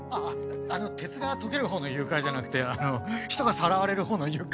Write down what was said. あの鉄が溶けるほうの融解じゃなくてあの人がさらわれるほうの誘拐。